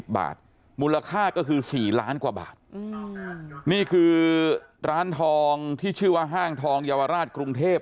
มูลค่าก็คือ๔ล้านกว่าบาทนี่คือร้านทองที่ชื่อว่าห้างทองเยาวราชกรุงเทพ